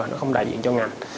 nó không đại diện cho ngành